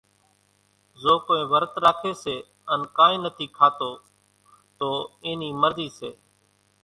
زو ڪونئين ورت راکي سي ان ڪانئين نٿي کاتو تو اين نِي مرضي سي،